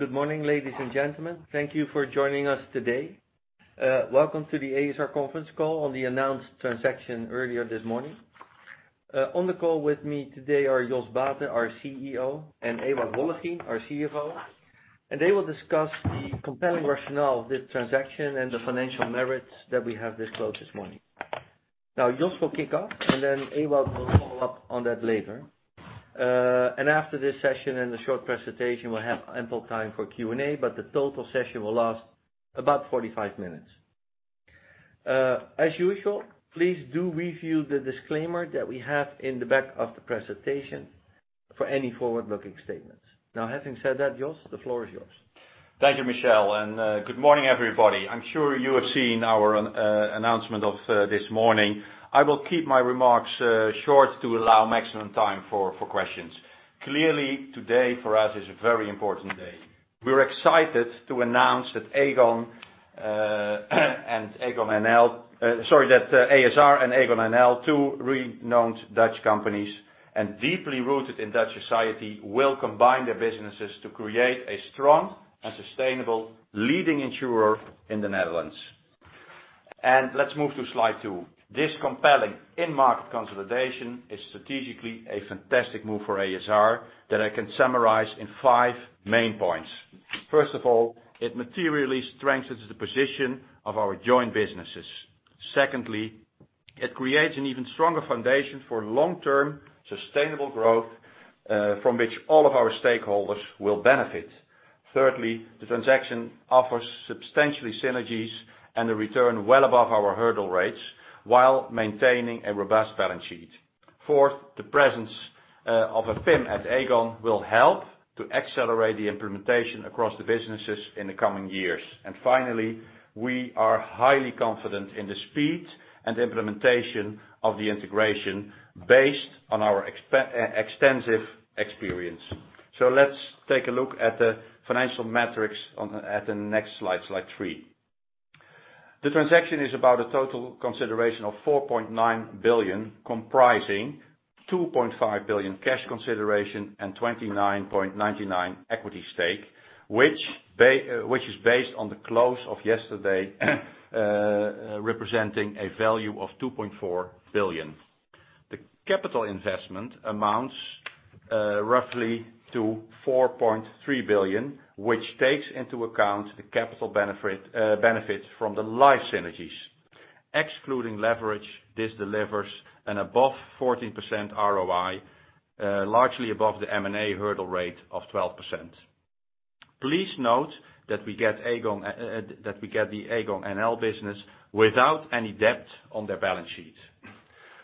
Good morning, ladies and gentlemen. Thank you for joining us today. Welcome to the ASR Conference Call on the announced transaction earlier this morning. On the call with me today are Jos Baeten, our CEO, and Ewout Hollegien, our CFO. They will discuss the compelling rationale of this transaction and the financial merits that we have disclosed this morning. Now, Jos will kick off, and then Ewout Hollegien will follow up on that later. After this session and the short presentation, we'll have ample time for Q&A, but the total session will last about 45 minutes. As usual, please do review the disclaimer that we have in the back of the presentation for any forward-looking statements. Now, having said that, Jos, the floor is yours. Thank you, Michel, and good morning, everybody. I'm sure you have seen our announcement of this morning. I will keep my remarks short to allow maximum time for questions. Clearly, today, for us, is a very important day. We're excited to announce that Aegon, uh, and Aegon NL sorry that's ASR and Aegon NL, two renowned Dutch companies and deeply rooted in Dutch society, will combine their businesses to create a strong and sustainable leading insurer in the Netherlands. Let's move to slide two. This compelling end market consolidation is strategically a fantastic move for ASR that I can summarize in five main points. First of all, it materially strengthens the position of our joint businesses. Secondly, it creates an even stronger foundation for long-term sustainable growth from which all of our stakeholders will benefit. Thirdly, the transaction offers substantial synergies and a return well above our hurdle rates while maintaining a robust balance sheet. Fourth, the presence of a fin at Aegon will help to accelerate the implementation across the businesses in the coming years. And finally, we are highly confident in the speed and implementation of the integration based on our extensive experience. Let's take a look at the financial metrics at the next slide three. The transaction is about a total consideration of 4.9 billion, comprising 2.5 billion cash consideration and 29.99% equity stake, which is based on the close of yesterday, representing a value of 2.4 billion. The capital investment amounts roughly to 4.3 billion, which takes into account the capital benefit from the life synergies. Excluding leverage, this delivers an above 14% ROI, largely above the M&A hurdle rate of 12%. Please note that we get the Aegon NL business without any debt on their balance sheet.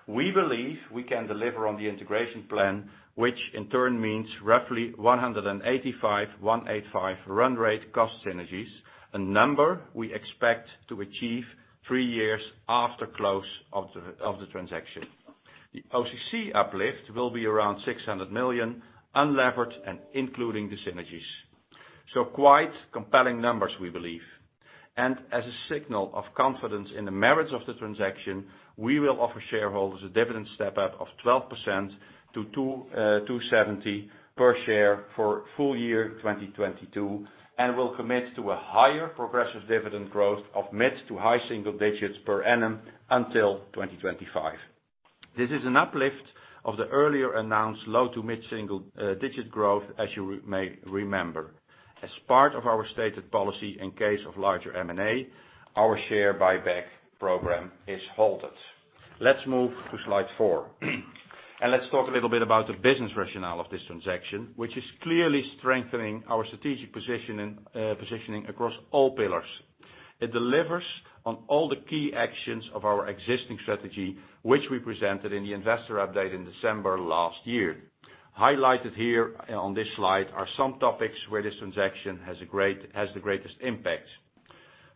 We believe we can deliver on the integration plan, which in turn means roughly 185 million run rate cost synergies, a number we expect to achieve three years after close of the transaction. The OCC uplift will be around 600 million, unlevered, and including the synergies. Quite compelling numbers, we believe. As a signal of confidence in the merits of the transaction, we will offer shareholders a dividend step-up of 12% to 2.70 per share for full year 2022, and will commit to a higher progressive dividend growth of mid-to-high single digits per annum until 2025. This is an uplift of the earlier announced low-to-mid single digit growth, as you may remember. As part of our stated policy in case of larger M&A, our share buyback program is halted. Let's move to slide four. Let's talk a little bit about the business rationale of this transaction, which is clearly strengthening our strategic positioning across all pillars. It delivers on all the key actions of our existing strategy, which we presented in the investor update in December last year. Highlighted here on this slide are some topics where this transaction has the greatest impact.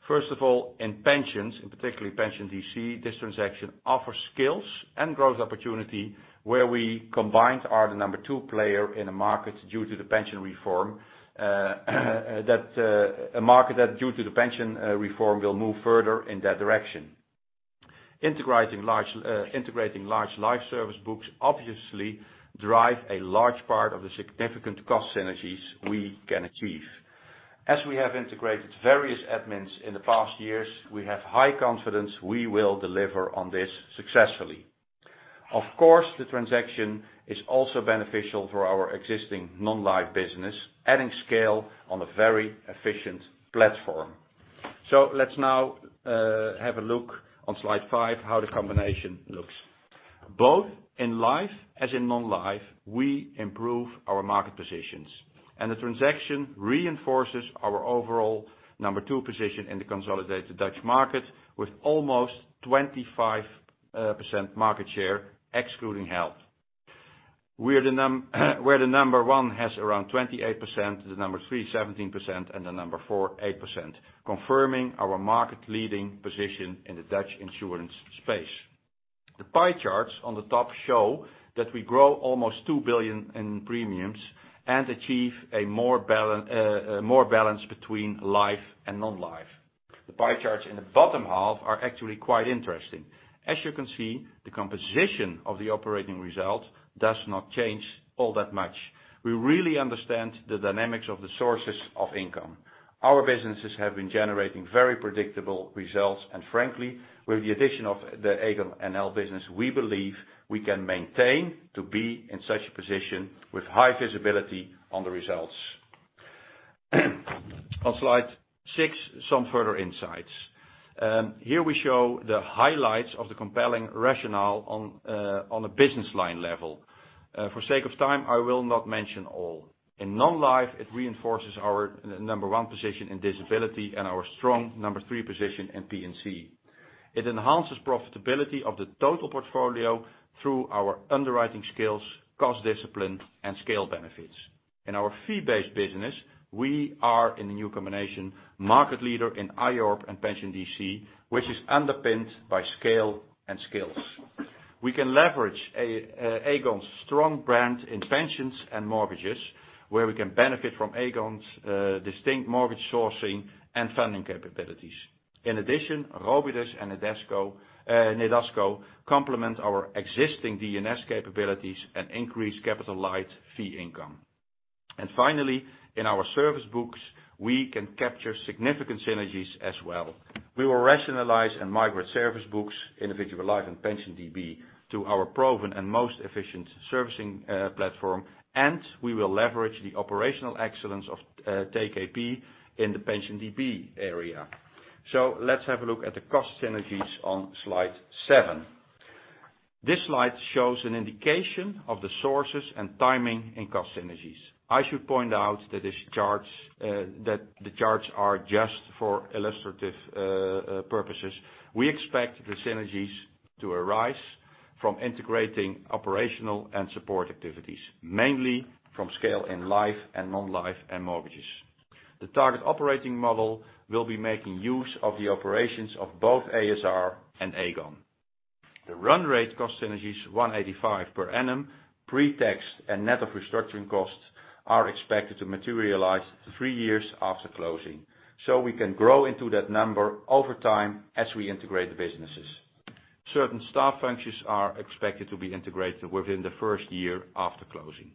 First of all, in pensions, in particular pension DC, this transaction offers skills and growth opportunity where we combined are the number two player in the market due to the pension reform, a market that due to the pension reform will move further in that direction. Integrating large life insurance books obviously drive a large part of the significant cost synergies we can achieve. As we have integrated various admins in the past years, we have high confidence we will deliver on this successfully. Of course, the transaction is also beneficial for our existing non-life business, adding scale on a very efficient platform. Let's now have a look on slide five how the combination looks. Both in life as in non-life, we improve our market positions, and the transaction reinforces our overall number two position in the consolidated Dutch market with almost 25% market share excluding health. We're the number one has around 28%, the number three 17%, and the number four 8%, confirming our market leading position in the Dutch insurance space. The pie charts on the top show that we grow almost 2 billion in premiums and achieve a more balance between life and non-life. The pie charts in the bottom half are actually quite interesting. As you can see, the composition of the operating result does not change all that much. We really understand the dynamics of the sources of income. Our businesses have been generating very predictable results, and frankly, with the addition of the Aegon NL business, we believe we can maintain to be in such a position with high visibility on the results. On slide six, some further insights. Here we show the highlights of the compelling rationale on a business line level. For sake of time, I will not mention all. In non-life, it reinforces our number one position in disability and our strong number three position in P&C. It enhances profitability of the total portfolio through our underwriting skills, cost discipline, and scale benefits. In our fee-based business, we are in the new combination market leader in IORP and Pension DC, which is underpinned by scale and skills. We can leverage Aegon's strong brand in pensions and mortgages, where we can benefit from Aegon's distinct mortgage sourcing and funding capabilities. In addition, Robidus and Nedasco complement our existing D and S capabilities and increase capital-light fee income. Finally, in our service books, we can capture significant synergies as well. We will rationalize and migrate service books, individual life and pension DB, to our proven and most efficient servicing platform, and we will leverage the operational excellence of TKP in the pension DB area. Let's have a look at the cost synergies on slide seven. This slide shows an indication of the sources and timing in cost synergies. I should point out that the charts are just for illustrative purposes. We expect the synergies to arise from integrating operational and support activities, mainly from scale in life and non-life and mortgages. The target operating model will be making use of the operations of both ASR and Aegon. The run rate cost synergies 185 per annum, pre-tax and net of restructuring costs, are expected to materialize three years after closing. We can grow into that number over time as we integrate the businesses. Certain staff functions are expected to be integrated within the first year after closing.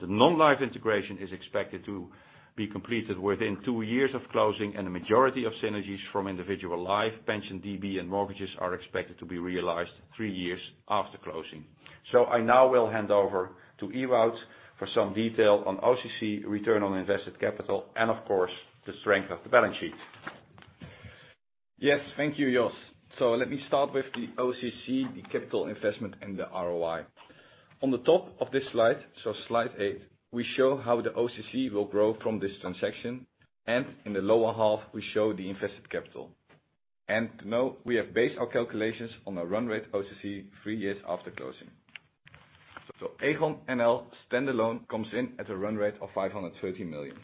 The non-life integration is expected to be completed within two years of closing, and the majority of synergies from individual life, pension DB and mortgages are expected to be realized three years after closing. I now will hand over to Ewout for some detail on OCC return on invested capital and, of course, the strength of the balance sheet. Yes. Thank you, Jos. Let me start with the OCC, the capital investment in the ROI. On the top of this slide eight, we show how the OCC will grow from this transaction, and in the lower half, we show the invested capital. To note, we have based our calculations on a run rate OCC three years after closing. Aegon NL standalone comes in at a run rate of 530 million.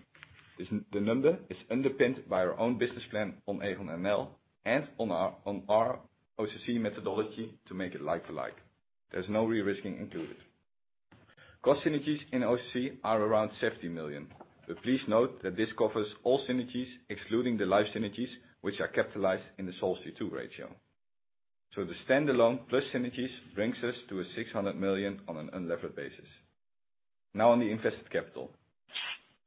This. The number is underpinned by our own business plan on Aegon NL and on our OCC methodology to make it like for like. There's no de-risking included. Cost synergies in OCC are around 70 million. Please note that this covers all synergies excluding the life synergies which are capitalized in the Solvency II ratio. The standalone plus synergies brings us to 600 million on an unlevered basis. Now on the invested capital.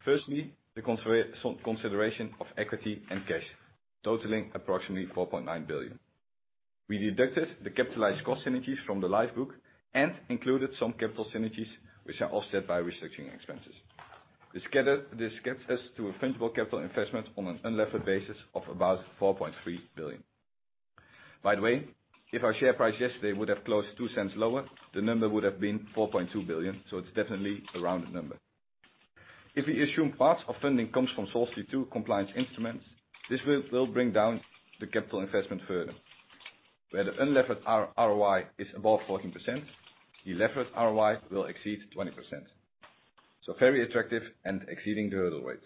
Firstly, the consideration of equity and cash, totaling approximately 4.9 billion. We deducted the capitalized cost synergies from the life book and included some capital synergies which are offset by restructuring expenses. This gets us to a tangible capital investment on an unlevered basis of about 4.3 billion. By the way, if our share price yesterday would have closed 0.02 lower, the number would have been 4.2 billion, so it's definitely a rounded number. If we assume parts of funding comes from Solvency II compliance instruments, this will bring down the capital investment further. Where the unlevered ROI is above 14%, the levered ROI will exceed 20%. Very attractive and exceeding the hurdle rates.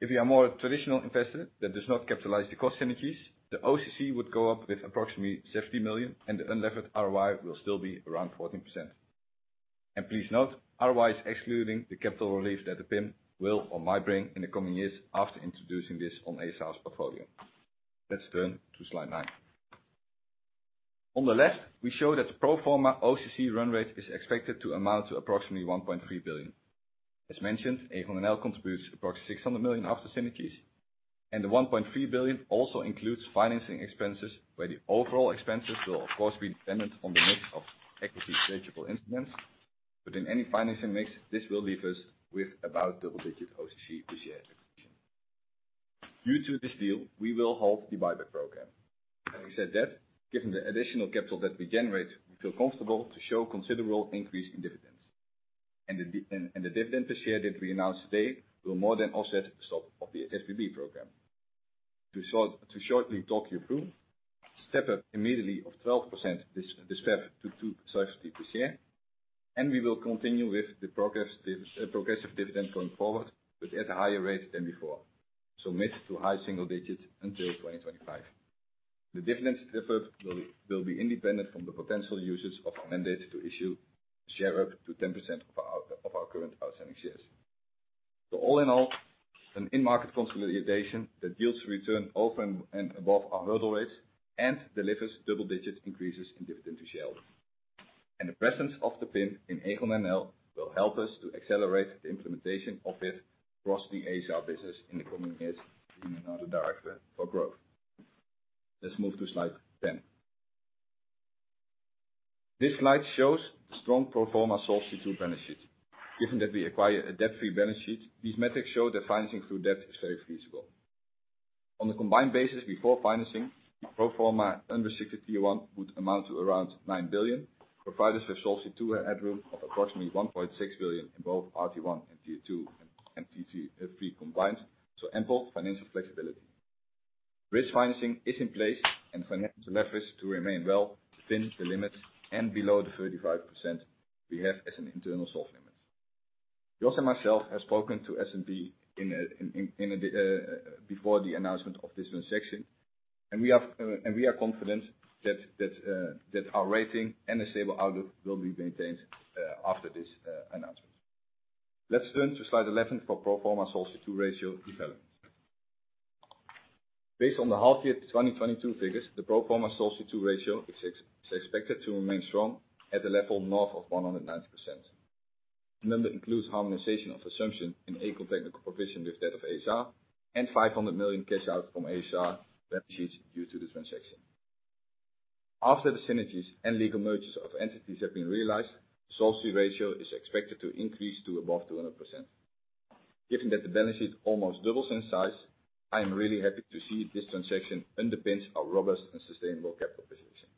If you are more traditional investor that does not capitalize the cost synergies, the OCC would go up with approximately 70 million, and the unlevered ROI will still be around 14%. Please note, ROI is excluding the capital relief that the PIM will or might bring in the coming years after introducing this on ASR's portfolio. Let's turn to slide nine. On the left, we show that the pro forma OCC run rate is expected to amount to approximately 1.3 billion. As mentioned, Aegon NL contributes approximately 600 million after synergies, and the 1.3 billion also includes financing expenses, where the overall expenses will of course be dependent on the mix of equity eligible instruments. In any financing mix, this will leave us with about double-digit OCC this year. Due to this deal, we will halt the buyback program. Having said that, given the additional capital that we generate, we feel comfortable to show considerable increase in dividends. The dividend per share that we announce today will more than offset the stop of the SBB program. To shortly talk you through, step-up immediately of 12% this path to 2.60 this year, and we will continue with the progressive dividend going forward, but at a higher rate than before. Mid- to high-single digits% until 2025. The dividends effort will be independent from the potential uses of mandates to issue shares up to 10% of our current outstanding shares. All in all, an in-market consolidation that yields return over and above our hurdle rates and delivers double-digit increases in dividend to shareholders. The presence of the PIM in Aegon NL will help us to accelerate the implementation of it across the Asia business in the coming years, being another driver for growth. Let's move to slide 10. This slide shows strong pro forma Solvency II benefits. Given that we acquire a debt-free balance sheet, these metrics show that financing through debt is very feasible. On a combined basis before financing, pro forma under 61 would amount to around 9 billion, providing us with Solvency II headroom of approximately 1.6 billion in both RT1 and Tier 2 and Tier 3 combined, so ample financial flexibility. Bridge financing is in place and financial leverage to remain well within the limits and below the 35% we have as an internal soft limit. Jos and myself have spoken to S&P before the announcement of this transaction, and we are confident that our rating and the stable outlook will be maintained after this announcement. Let's turn to slide 11 for pro forma Solvency II ratio development. Based on the half year 2022 figures, the pro forma Solvency II ratio is expected to remain strong at a level north of 190%. That includes harmonization of assumption in Aegon technical provision with that of ASR and 500 million cash out from ASR balance sheets due to the transaction. After the synergies and legal mergers of entities have been realized, solvency ratio is expected to increase to above 200%. Given that the balance sheet almost doubles in size, I am really happy to see this transaction underpins our robust and sustainable capital position.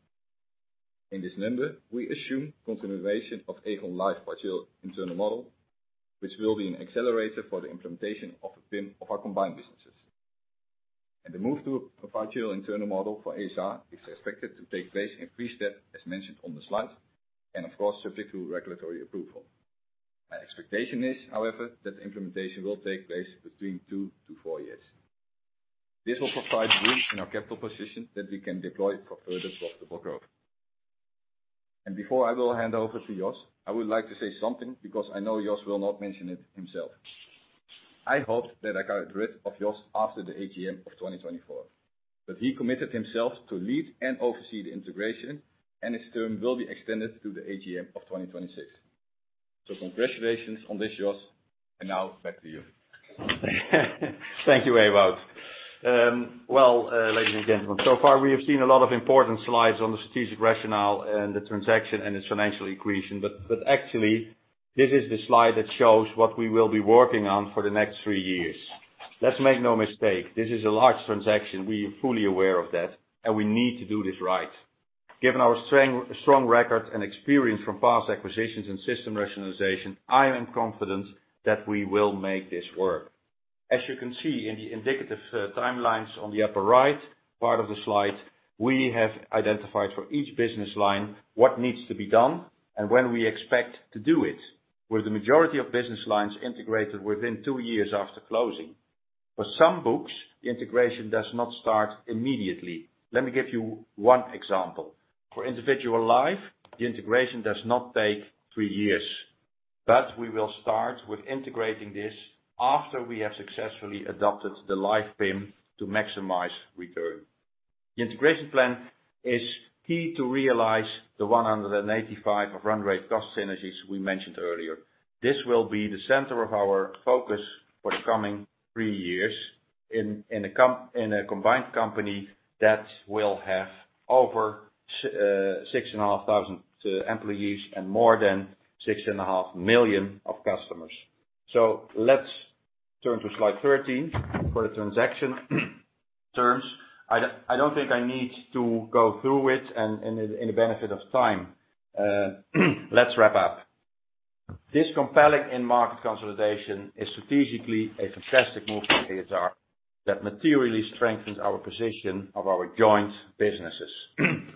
In this number, we assume continuation of Aegon Life Virtual Internal Model, which will be an accelerator for the implementation of the PIM of our combined businesses. The move to a virtual internal model for ASR is expected to take place in three steps, as mentioned on the slide, and of course, subject to regulatory approval. My expectation is, however, that implementation will take place between two to four years. This will provide room in our capital position that we can deploy for further profitable growth. Before I will hand over to Jos, I would like to say something because I know Jos will not mention it himself. I hoped that I got rid of Jos after the AGM of 2024, but he committed himself to lead and oversee the integration, and his term will be extended to the AGM of 2026. Congratulations on this, Jos. Now back to you. Thank you, Ewout. Ladies and gentlemen, so far we have seen a lot of important slides on the strategic rationale and the transaction and the financial equation. Actually, this is the slide that shows what we will be working on for the next three years. Let's make no mistake, this is a large transaction. We are fully aware of that, and we need to do this right. Given our strong record and experience from past acquisitions and system rationalization, I am confident that we will make this work. As you can see in the indicative timelines on the upper right part of the slide, we have identified for each business line what needs to be done and when we expect to do it, with the majority of business lines integrated within two years after closing. For some books, the integration does not start immediately. Let me give you one example. For Individual Life, the integration does not take three years, but we will start with integrating this after we have successfully adopted the Life PIM to maximize return. The integration plan is key to realize the 185 million run-rate cost synergies we mentioned earlier. This will be the center of our focus for the coming three years in a combined company that will have over 6,500 employees and more than 6.5 million customers. Let's turn to slide 13 for the transaction terms. I don't think I need to go through it and, in the interest of time, let's wrap up. This compelling end market consolidation is strategically a fantastic move for ASR that materially strengthens our position of our joint businesses.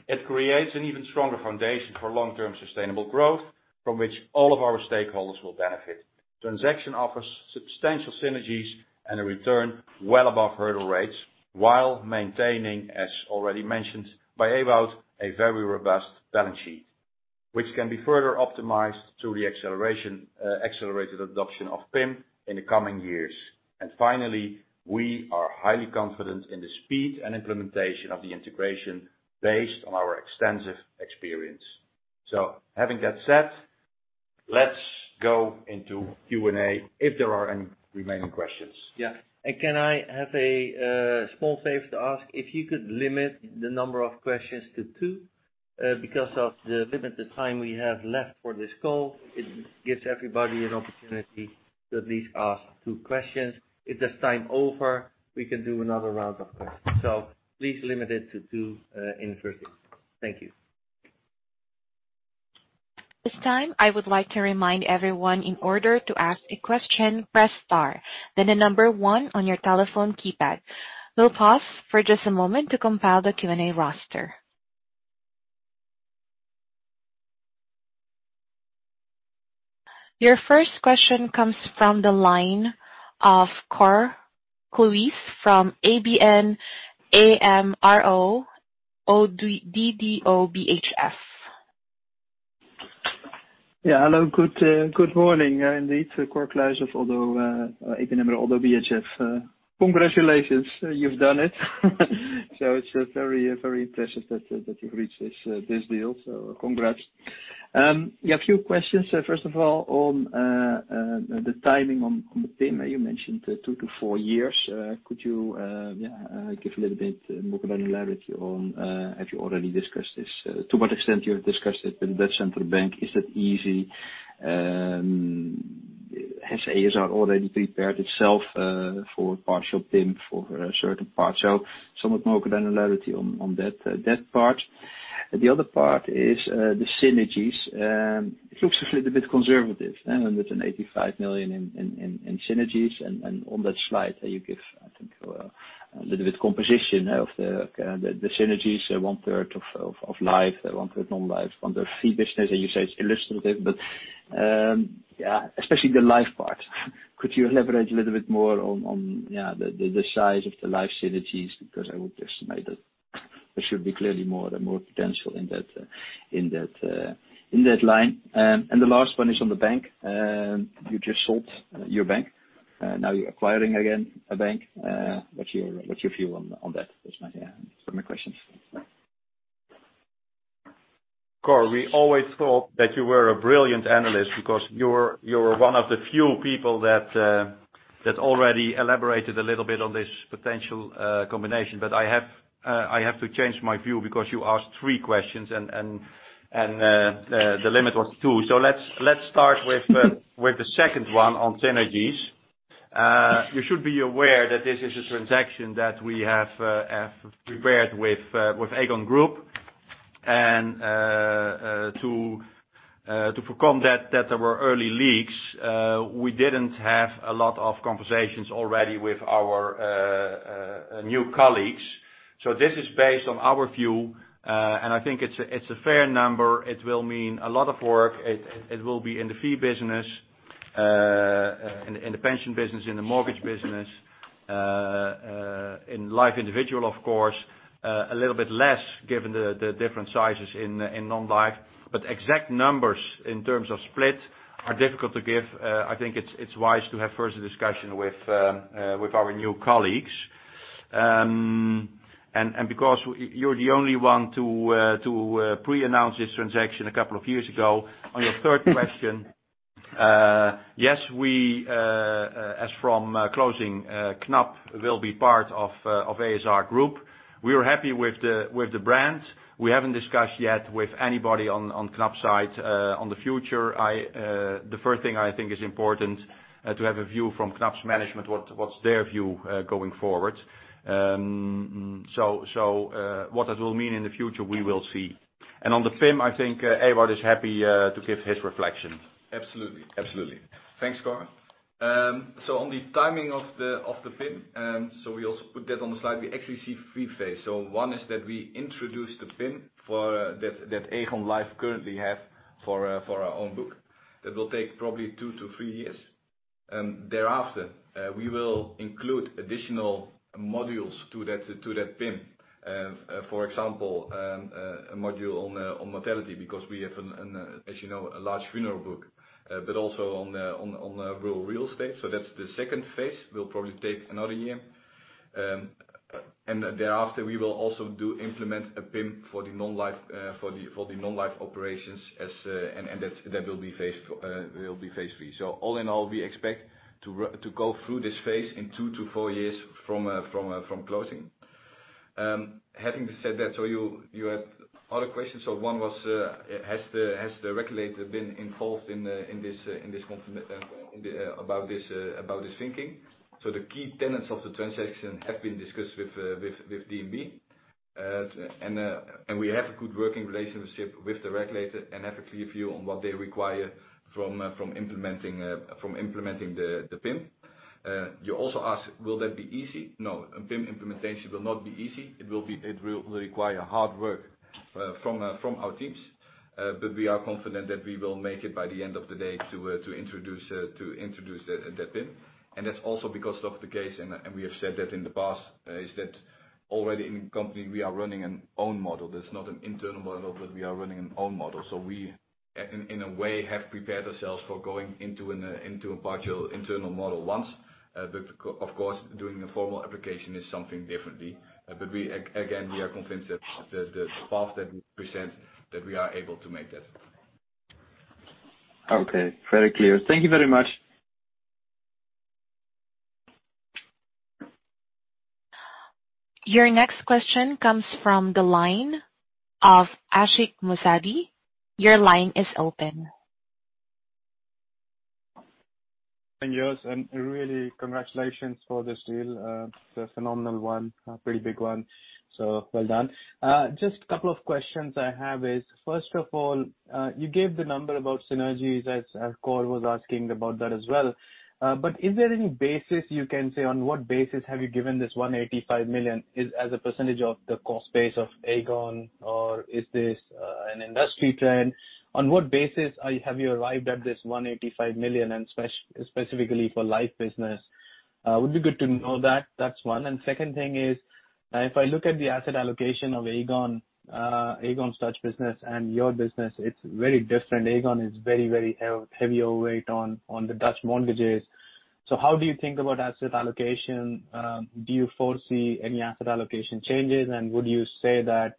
It creates an even stronger foundation for long-term sustainable growth from which all of our stakeholders will benefit. Transaction offers substantial synergies and a return well above hurdle rates while maintaining, as already mentioned by Ewout, a very robust balance sheet, which can be further optimized through the accelerated adoption of PIM in the coming years. Finally, we are highly confident in the speed and implementation of the integration based on our extensive experience. Having that said, let's go into Q&A if there are any remaining questions. Yeah. Can I have a small favor to ask? If you could limit the number of questions to two, because of the limited time we have left for this call. It gives everybody an opportunity to at least ask two questions. If there's time over, we can do another round of questions. Please limit it to two in the first round. Thank you. At this time, I would like to remind everyone, in order to ask a question, press star, then the number one on your telephone keypad. We'll pause for just a moment to compile the Q&A roster. Your first question comes from the line of Cor Kluis from ABN Amro - Oddo BHF. Hello. Good morning. Indeed, Cor Kluis of ABN Amro - Oddo BHF. Congratulations. You've done it. It's very impressive that you've reached this deal. Congrats. A few questions. First of all, on the timing on the PIM. You mentioned two-four years. Could you give a little bit more granularity on have you already discussed this? To what extent you have discussed it with De Nederlandsche Bank, is that easy? Has ASR already prepared itself for partial PIM for a certain part? Somewhat more granularity on that part. The other part is the synergies. It looks a little bit conservative, and with 85 million in synergies. On that slide you give, I think, a little bit composition of the synergies, one third of life, one third non-life, one third fee business. You say it's illustrative, but yeah. Especially the life part. Could you elaborate a little bit more on the size of the life synergies? Because I would estimate that there should be clearly more potential in that line. The last one is on the bank. You just sold your bank. Now you're acquiring again a bank. What's your view on that? That's my yeah. Those are my questions. Cor, we always thought that you were a brilliant analyst because you're one of the few people that already elaborated a little bit on this potential combination. I have to change my view because you asked three questions and the limit was two. Let's start with the second one on synergies. You should be aware that this is a transaction that we have prepared with Aegon Group to overcome that there were early leaks, we didn't have a lot of conversations already with our new colleagues. This is based on our view and I think it's a fair number. It will mean a lot of work. It will be in the fee business, in the pension business, in the mortgage business, in Individual Life, of course. A little bit less given the different sizes in non-life. Exact numbers in terms of split are difficult to give. I think it's wise to have first a discussion with our new colleagues. Because you're the only one to pre-announce this transaction a couple of years ago, on your third question, yes, as from closing, Knab will be part of ASR Group. We are happy with the brand. We haven't discussed yet with anybody on Knab side, on the future. The first thing I think is important to have a view from Knab's management, what's their view going forward. What that will mean in the future, we will see. On the PIM, I think Ewout is happy to give his reflection. Absolutely. Absolutely. Thanks, Cor. On the timing of the PIM, we also put that on the slide. We actually see three phases. One is that we introduce the PIM that Aegon Life currently have for our own book. That will take probably two-three years. Thereafter, we will include additional modules to that PIM. For example, a module on mortality, because we have an, as you know, a large funeral book. But also on rural real estate. That's the second phase. Will probably take another year. Thereafter, we will also do implement a PIM for the non-life operations. That will be phase III. All in all, we expect to go through this phase in two-four years from closing. Having said that, you have other questions. One was, has the regulator been involved in this about this thinking? The key tenets of the transaction have been discussed with DNB. And we have a good working relationship with the regulator and have a clear view on what they require from implementing the PIM. You also ask, will that be easy? No. A PIM implementation will not be easy. It will require hard work from our teams. We are confident that we will make it by the end of the day to introduce the PIM. That's also because of the case, and we have said that in the past, that already in company we are running an own model. That's not an internal model, but we are running an own model. We in a way have prepared ourselves for going into a partial internal model once. Of course, doing a formal application is something different. We again are convinced that the path that we present, that we are able to make that. Okay, very clear. Thank you very much. Your next question comes from the line of Ashik Musaddi. Your line is open. Yes, really congratulations for this deal. It's a phenomenal one, a pretty big one, so well done. Just a couple of questions I have is, first of all, you gave the number about synergies, as Cor was asking about that as well. Is there any basis you can say on what basis have you given this 185 million is as a percentage of the cost base of Aegon? Is this an industry trend? On what basis have you arrived at this 185 million, and specifically for life business? Would be good to know that. That's one. Second thing is, if I look at the asset allocation of Aegon's Dutch business and your business, it's very different. Aegon is very, very heavier weight on the Dutch mortgages. How do you think about asset allocation? Do you foresee any asset allocation changes? Would you say that,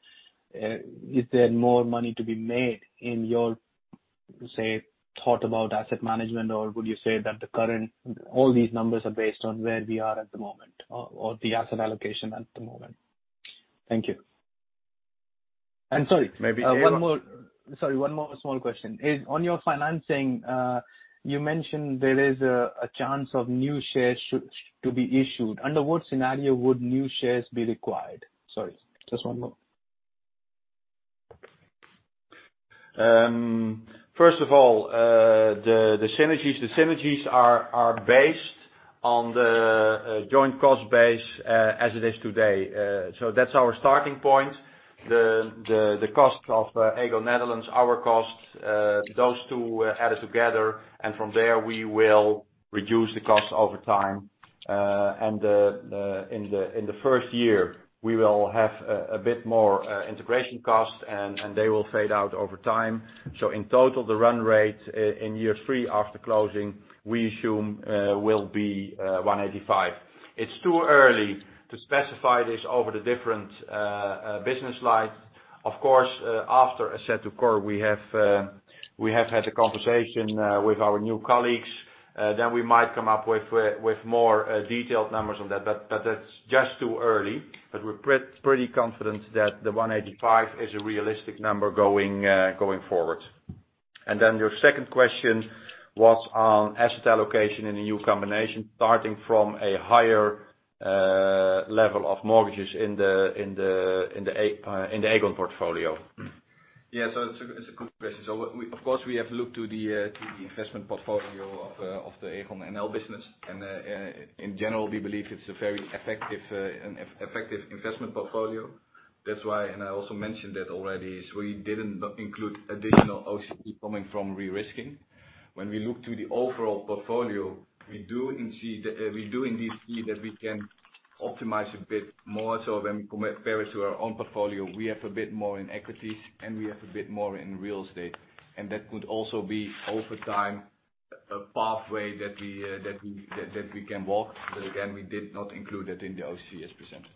is there more money to be made in your, say, thought about asset management? Or would you say that the current, all these numbers are based on where we are at the moment or the asset allocation at the moment? Thank you. Sorry, one more small question. Is on your financing, you mentioned there is a chance of new shares to be issued. Under what scenario would new shares be required? Sorry, just one more. First of all, the synergies are based on the joint cost base as it is today. That's our starting point. The cost of Aegon Nederland, our costs, those two added together, and from there, we will reduce the costs over time. In the first year, we will have a bit more integration costs, and they will fade out over time. In total, the run rate in year three after closing, we assume, will be 185. It's too early to specify this over the different business lines. Of course, after as I said to Cor, we have had a conversation with our new colleagues, then we might come up with more detailed numbers on that. But it's just too early. But we're pretty confident that the 185 is a realistic number going forward. Then your second question was on asset allocation in the new combination, starting from a higher level of mortgages in the Aegon portfolio. Yeah. It's a good question. Of course, we have looked to the investment portfolio of the Aegon NL business. In general, we believe it's a very effective investment portfolio. That's why, and I also mentioned it already, is we didn't include additional OC coming from re-risking. When we look to the overall portfolio, we do indeed see that we can optimize a bit more. When we compare it to our own portfolio, we have a bit more in equities, and we have a bit more in real estate, and that could also be over time, a pathway that we can walk. Again, we did not include it in the OC as presented.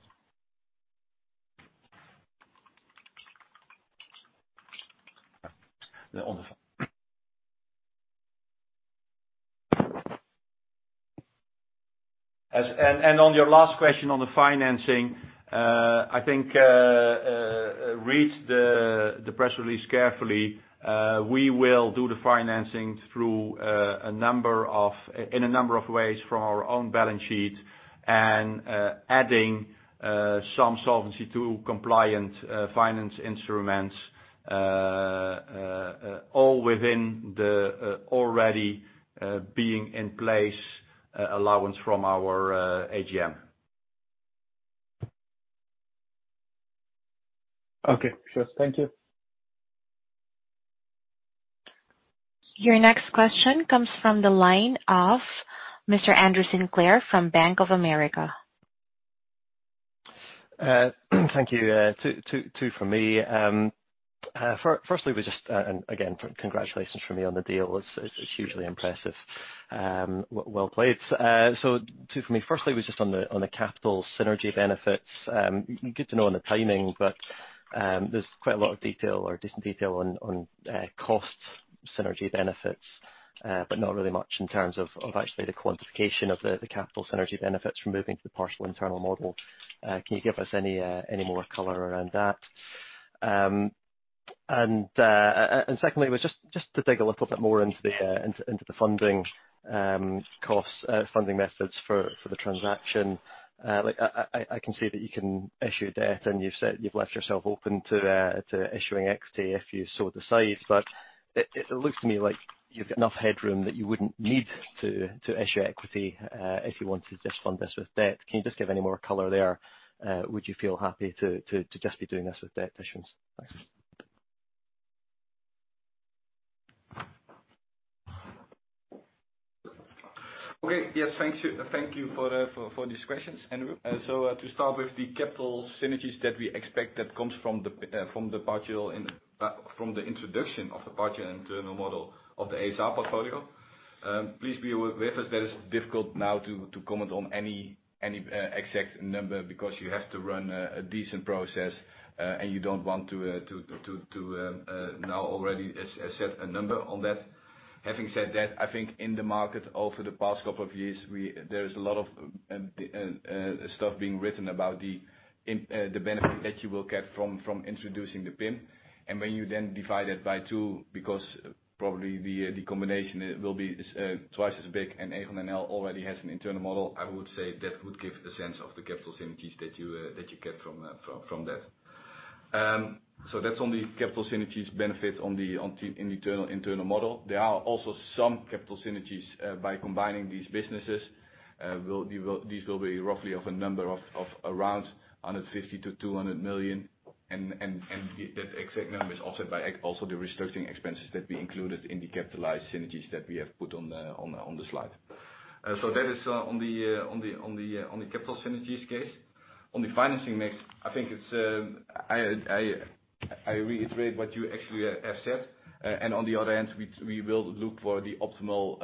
On your last question on the financing, I think read the press release carefully. We will do the financing through a number of ways from our own balance sheet and adding some Solvency II compliant financial instruments, all within the already being in place allowance from our AGM. Okay. Sure. Thank you. Your next question comes from the line of Mr. Andrew Sinclair from Bank of America. Thank you. Two from me. First, and again, congratulations from me on the deal. It's hugely impressive. Well played. So two from me. First, was just on the capital synergy benefits. Good to know on the timing, but there's quite a lot of detail or decent detail on cost synergy benefits, but not really much in terms of actually the quantification of the capital synergy benefits from moving to the Partial Internal Model. Can you give us any more color around that? And secondly was just to dig a little bit more into the funding costs, funding methods for the transaction. Like I can see that you can issue debt, and you said you've left yourself open to issuing equity if you so decide. It looks to me like you've got enough headroom that you wouldn't need to issue equity if you want to just fund this with debt. Can you just give any more color there? Would you feel happy to just be doing this with debt issuance? Thanks. Okay. Yes, thank you. Thank you for these questions, Andrew. To start with the capital synergies that we expect that comes from the introduction of the partial internal model of the ASR portfolio, please bear with us, that is difficult now to comment on any exact number because you have to run a decent process, and you don't want to now already assess a number on that. Having said that, I think in the market over the past couple of years, there is a lot of stuff being written about the benefit that you will get from introducing the PIM. When you then divide it by two, because probably the combination, it will be twice as big, and Aegon NL already has an internal model. I would say that would give a sense of the capital synergies that you get from that. That's on the capital synergies benefit on the internal model. There are also some capital synergies by combining these businesses. These will be roughly around 150-200 million, and that exact number is offset by also the restructuring expenses that we included in the capitalized synergies that we have put on the slide. That is on the capital synergies case. On the financing mix, I think it's I reiterate what you actually have said. On the other hand, we will look for the optimal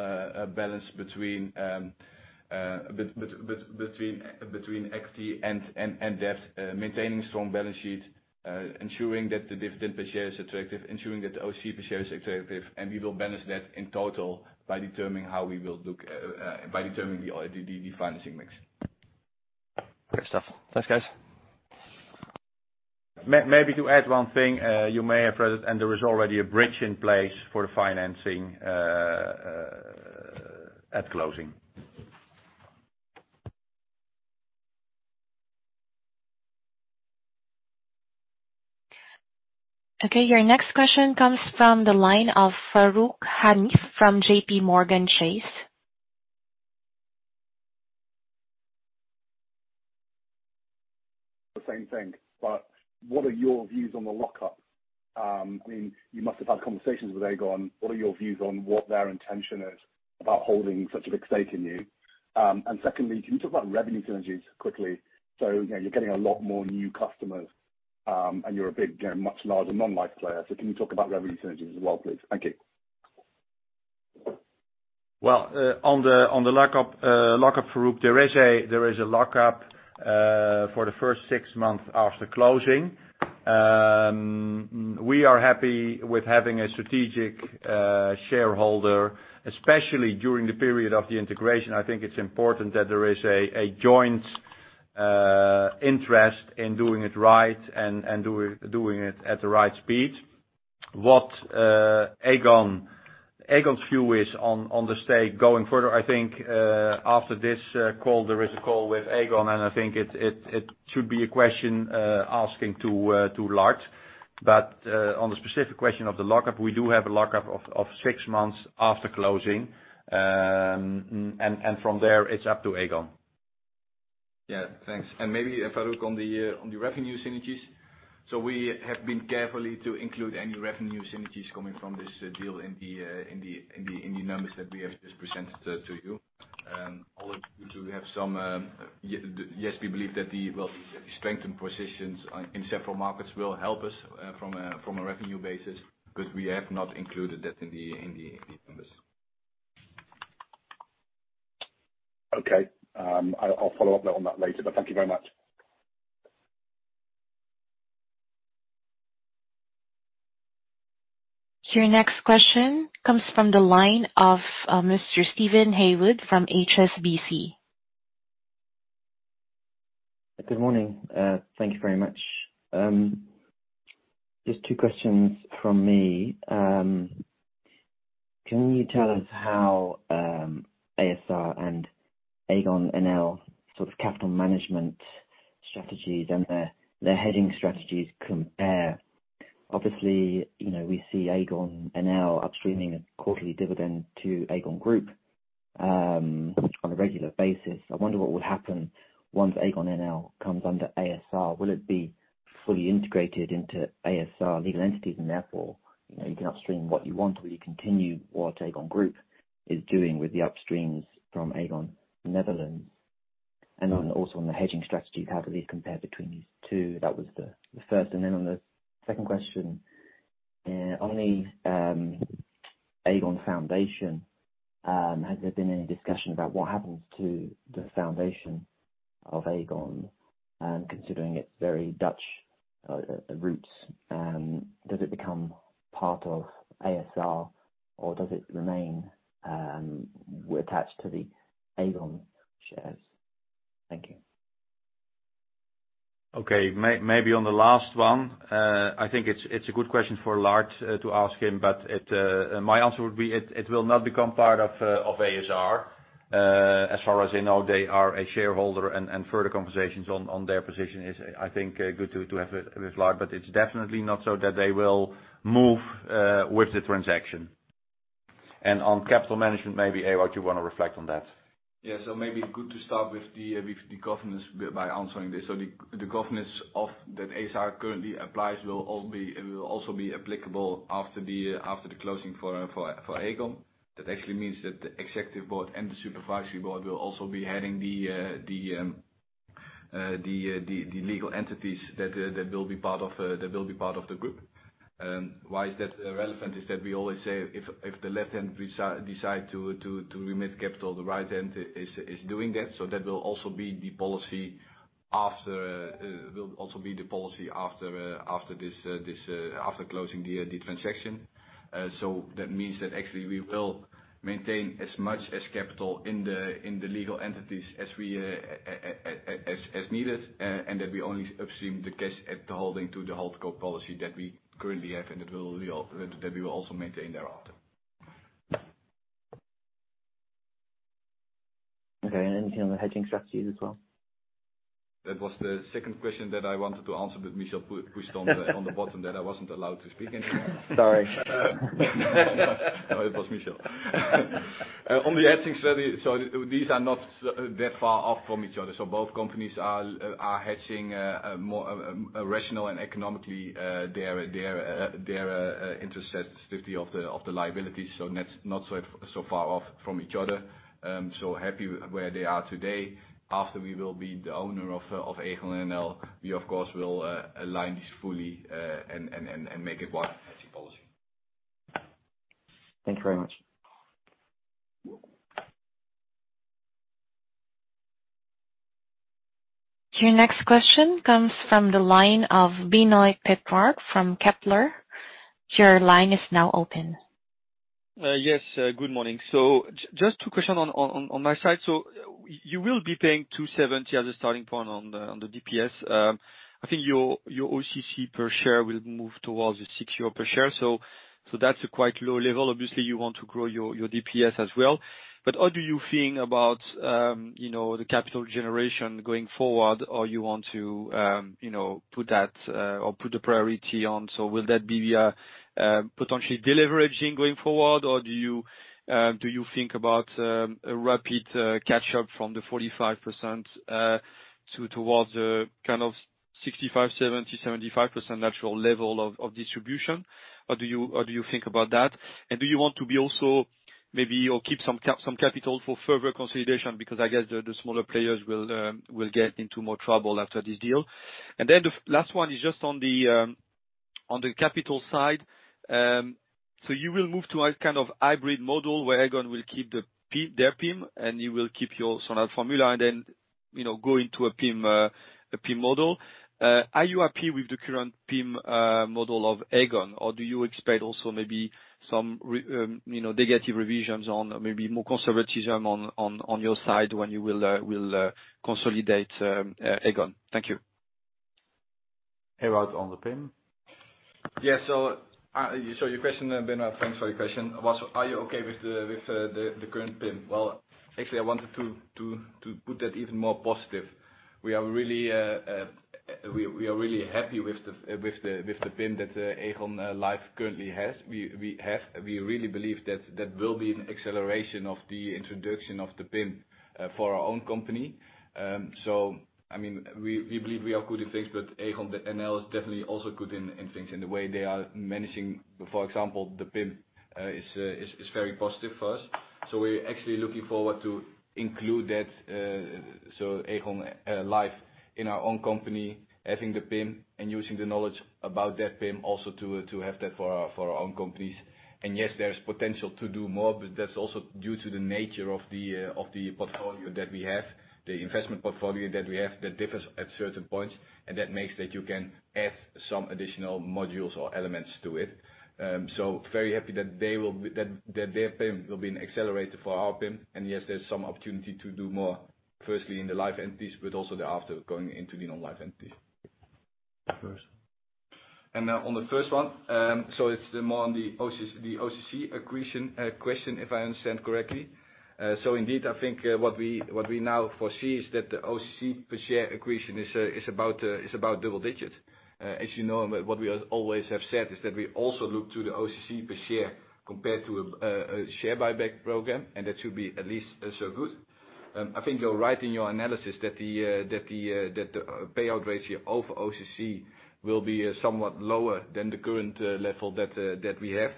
balance between equity and debt, maintaining strong balance sheet, ensuring that the dividend per share is attractive, ensuring that the OC per share is attractive, and we will balance that in total by determining the financing mix. Great stuff. Thanks, guys. Maybe to add one thing, you may have heard it, and there is already a bridge in place for the financing at closing. Okay, your next question comes from the line of Farooq Hanif from JPMorgan Chase. The same thing, but what are your views on the lockup? I mean, you must have had conversations with Aegon. What are your views on what their intention is about holding such a big stake in you? Secondly, can you talk about revenue synergies quickly? You know, you're getting a lot more new customers, and you're a big, you know, much larger non-life player. Can you talk about revenue synergies as well, please? Thank you. Well, on the lockup, Farooq, there is a lockup for the first six months after closing. We are happy with having a strategic shareholder, especially during the period of the integration. I think it's important that there is a joint interest in doing it right and doing it at the right speed. What Aegon's view is on the stake going further, I think, after this call, there is a call with Aegon, and I think it should be a question asking to Lars. On the specific question of the lockup, we do have a lockup of six months after closing. From there, it's up to Aegon. Yeah. Thanks. Maybe, Farooq, on the revenue synergies. We have been careful to include any revenue synergies coming from this deal in the numbers that we have just presented to you. Although we do have some, yes, we believe that the strengthened positions in several markets will help us from a revenue basis, but we have not included that in the numbers. Okay. I'll follow up on that later, but thank you very much. Your next question comes from the line of Mr. Steven Haywood from HSBC. Good morning. Thank you very much. Just two questions from me. Can you tell us how ASR and Aegon NL sort of capital management strategies and their hedging strategies compare? Obviously, you know, we see Aegon NL upstreaming a quarterly dividend to Aegon Group on a regular basis. I wonder what would happen once Aegon NL comes under ASR. Will it be fully integrated into ASR legal entities, and therefore, you know, you can upstream what you want? Will you continue what Aegon Group is doing with the upstreams from Aegon Nederland? Also on the hedging strategy, how do these compare between these two? That was the first. Then on the second question, on the Aegon Foundation, has there been any discussion about what happens to the foundation of Aegon, considering its very Dutch roots? Does it become part of ASR, or does it remain attached to the Aegon shares? Thank you. Okay. Maybe on the last one, I think it's a good question for Lars to ask him, but my answer would be it will not become part of ASR. As far as I know, they are a shareholder and further conversations on their position is, I think, good to have with Lars, but it's definitely not so that they will move with the transaction. On capital management, maybe, Ewout, you wanna reflect on that? Yeah. Maybe good to start with the governance by answering this. The governance that ASR currently applies will also be applicable after the closing for Aegon. That actually means that the executive board and the supervisory board will also be heading the legal entities that will be part of the group. Why is that relevant is that we always say if the left hand decide to remit capital, the right hand is doing that. That will also be the policy after closing the transaction. That means that actually we will maintain as much capital in the legal entities as needed, and that we only upstream the cash at the holding to the holdco policy that we currently have, and that we will also maintain thereafter. Okay. Anything on the hedging strategies as well? That was the second question that I wanted to answer, but Michel pushed on the button that I wasn't allowed to speak anymore. Sorry. No, it was Michel. On the hedging study, these are not so far off from each other. Both companies are hedging more of a rational and economically their interest sensitivity of the liabilities. That's not so far off from each other. Happy where they are today. After we will be the owner of Aegon NL, we of course will align this fully and make it one hedging policy. Thank you very much. Your next question comes from the line of Benoit Pétrarque from Kepler. Your line is now open. Yes, good morning. Just two questions on my side. You will be paying 2.70 as a starting point on the DPS. I think your OCC per share will move towards 6 euro per share. That's a quite low level. Obviously, you want to grow your DPS as well. But how do you feel about you know, the capital generation going forward? Or you want to you know, put that or put a priority on? Will that be via potentially deleveraging going forward? Or do you think about a rapid catch up from the 45% to towards a kind of 65%, 70%, 75% natural level of distribution? How do you think about that? Do you want to be also maybe, or keep some capital for further consolidation? Because I guess the smaller players will get into more trouble after this deal. Then the last one is just on the capital side. So you will move to a kind of hybrid model where Aegon will keep their PIM, and you will keep your Standard Formula and then, you know, go into a PIM model. Are you happy with the current PIM model of Aegon? Or do you expect also maybe some negative revisions on or maybe more conservatism on your side when you will consolidate Aegon? Thank you. Herat on the PIM. Yeah. Your question, Benoit, thanks for your question. Are you okay with the current PIM? Well, actually, I wanted to put that even more positive. We are really happy with the PIM that Aegon Life currently has. We really believe that will be an acceleration of the introduction of the PIM for our own company. I mean, we believe we are good in things, but Aegon NL is definitely also good in things. The way they are managing, for example, the PIM, is very positive for us. We're actually looking forward to include that, Aegon Life in our own company, having the PIM and using the knowledge about their PIM also to have that for our own companies. Yes, there's potential to do more, but that's also due to the nature of the portfolio that we have, the investment portfolio that we have, that differs at certain points. That makes it so that you can add some additional modules or elements to it. Very happy that their PIM will be an accelerator for our PIM. Yes, there's some opportunity to do more, firstly in the Life entities, but also thereafter going into the Non-Life entity. First. On the first one, it's more on the OCC, the OCC accretion question, if I understand correctly. Indeed, I think what we now foresee is that the OCC per share accretion is about double digits. As you know, what we always have said is that we also look to the OCC per share compared to a share buyback program, and that should be at least so good. I think you're right in your analysis that the payout ratio of OCC will be somewhat lower than the current level that we have.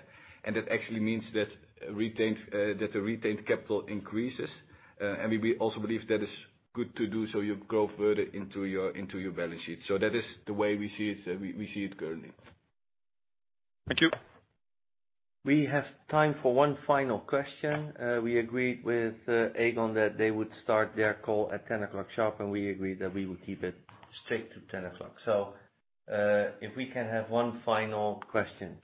That actually means that the retained capital increases. We also believe that is good to do so you grow further into your balance sheet. That is the way we see it. We see it currently. Thank you. We have time for one final question. We agreed with Aegon that they would start their call at 10 o'clock sharp, and we agreed that we would keep it strict to 10 o'clock. If we can have one final question.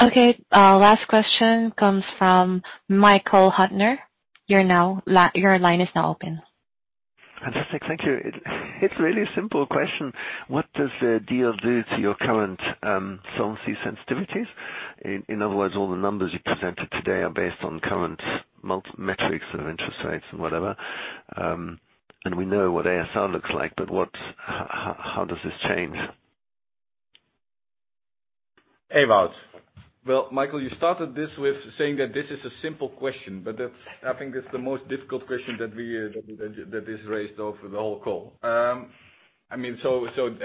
Okay. Our last question comes from Michael Huttner. You're now, your line is now open. Fantastic. Thank you. It's really a simple question. What does the deal do to your current Solvency Sensitivities? In other words, all the numbers you presented today are based on current multiple metrics of interest rates and whatever. We know what ASR looks like, but what, how does this change? Well, Michael, you started this with saying that this is a simple question, but that's, I think that's the most difficult question that is raised of the whole call. I mean,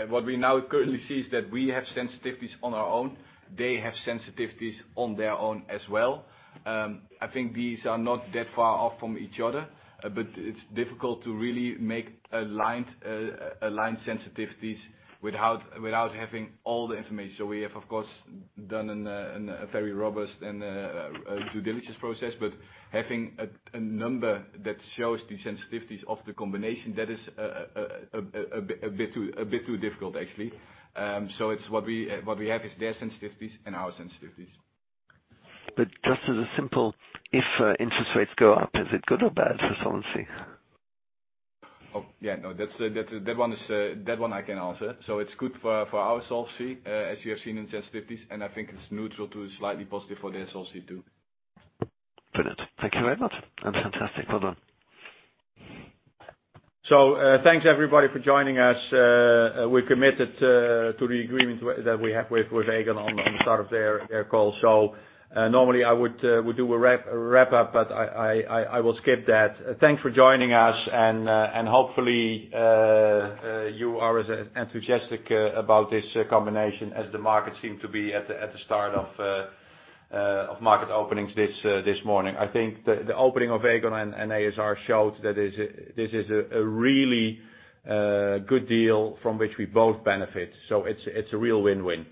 what we now currently see is that we have sensitivities on our own. They have sensitivities on their own as well. I think these are not that far off from each other, but it's difficult to really make aligned sensitivities without having all the information. We have, of course, done a very robust and due diligence process. Having a bit too difficult, actually. It's what we have is their sensitivities and our sensitivities. Just as a simple, if interest rates go up, is it good or bad for solvency? Oh, yeah, no, that's that one I can answer. It's good for our solvency, as you have seen in sensitivities, and I think it's neutral to slightly positive for their solvency too. Brilliant. Thank you very much. That's fantastic. Bye-bye. Thanks everybody for joining us. We're committed to the agreement that we have with Aegon on the start of their call. Normally I would do a wrap up, but I will skip that. Thanks for joining us and hopefully you are as enthusiastic about this combination as the market seemed to be at the start of market openings this morning. I think the opening of Aegon and ASR showed that this is a really good deal from which we both benefit. It's a real win-win.